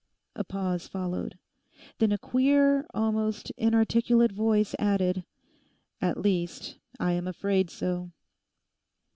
A pause followed. Then a queer, almost inarticulate voice added, 'At least, I am afraid so.